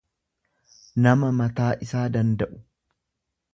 nama mataa isaa danda'u.